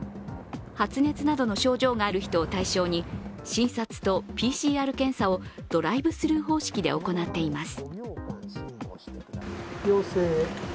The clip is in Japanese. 発熱などの症状がある人を対象に診察とＰＣＲ検査をドライブスルー方式で行っています。